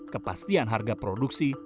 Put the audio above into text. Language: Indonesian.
kepastian harga produksi